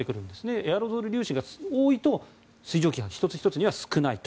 エアロゾル粒子が少なくなってくると水蒸気が、１つ１つは少ないと。